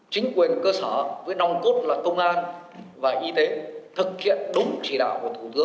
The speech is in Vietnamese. chính quyền cơ sở với nông cốt là công an và y tế thực hiện đúng chỉ đạo